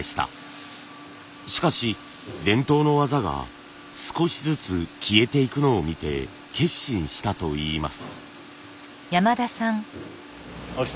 しかし伝統の技が少しずつ消えていくのを見て決心したといいます。